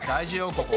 ここ。